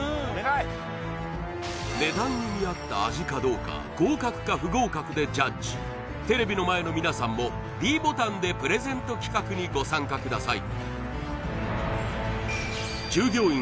値段に見合った味かどうか合格か不合格でジャッジテレビの前の皆さんもｄボタンでプレゼント企画にご参加ください